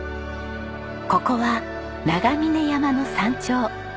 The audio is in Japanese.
ここは長峰山の山頂。